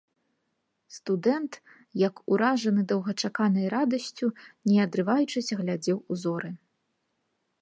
Студэнт, як уражаны доўгачаканай радасцю, не адрываючыся, глядзеў у зоры.